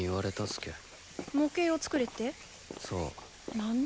何で？